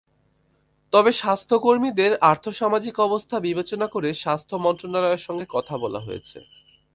তবে স্বাস্থ্যকর্মীদের আর্থসামাজিক অবস্থা বিবেচনা করে স্বাস্থ্য মন্ত্রণালয়ের সঙ্গে কথা বলা হয়েছে।